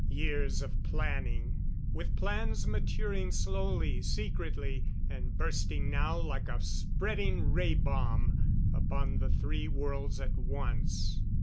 Years of planning, with plans maturing slowly, secretly, and bursting now like a spreading ray bomb upon the three worlds at once.